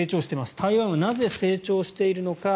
台湾はなぜ成長しているのか。